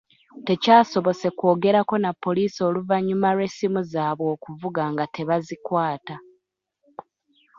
Tekyasobose kwogerako na Poliisi oluvannyuma lw'essimu zaabwe okuvuga nga tebazikwata.